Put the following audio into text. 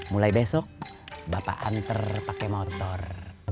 mulai besok bapak antar pakai motor